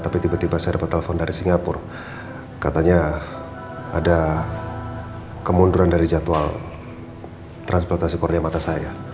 tapi tiba tiba saya dapat telepon dari singapura katanya ada kemunduran dari jadwal transportasi korea mata saya